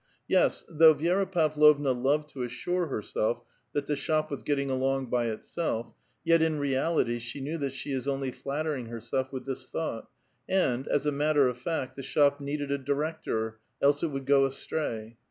Yes ; though V'i^ra Pavlovna loved to assure herself that the shop was Setting along by itself , yet in reality she knew that she is Otily flattering herself witli this thought, and, as a matter of ^J^^t, the shop needed a director, else it would go astray.